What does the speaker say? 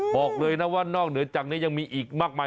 บอกเลยนะว่านอกเหนือจากนี้ยังมีอีกมากมาย